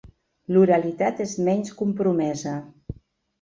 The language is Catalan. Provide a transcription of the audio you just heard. L'oralitat és menys compromesa.